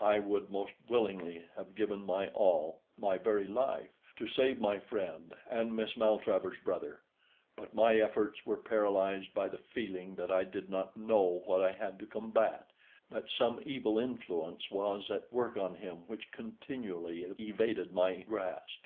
I would most willingly have given my all, my very life, to save my friend and Miss Maltravers's brother; but my efforts were paralysed by the feeling that I did not know what I had to combat, that some evil influence was at work on him which continually evaded my grasp.